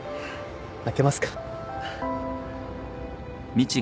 開けますか？